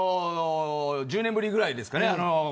１０年ぶりぐらいですかね